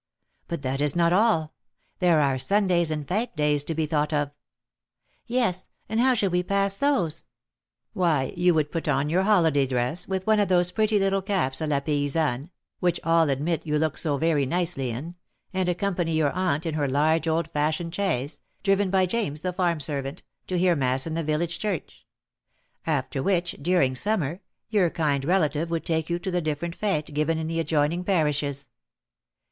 "But that is not all. There are Sundays and fête days to be thought of." "Yes; and how should we pass those?" "Why, you would put on your holiday dress, with one of those pretty little caps à la paysanne, which all admit you look so very nicely in, and accompany your aunt in her large old fashioned chaise, driven by James the farm servant, to hear mass in the village church; after which, during summer, your kind relative would take you to the different fêtes given in the adjoining parishes.